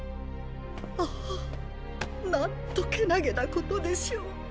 あぁなんとけなげなことでしょう。